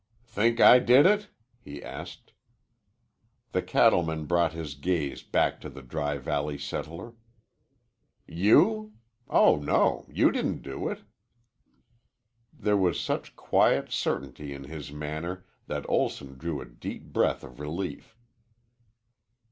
"Think I did it?" he asked. The cattleman brought his gaze back to the Dry Valley settler. "You? Oh, no! You didn't do it." There was such quiet certainty in his manner that Olson drew a deep breath of relief.